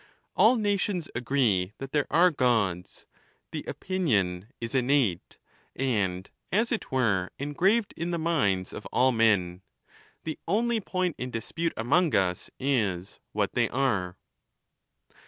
All nations agree that there are Gods ; the opinion is innate, and, as it were, en graved in the minds of all men. The only point in dispute among us is, what they are.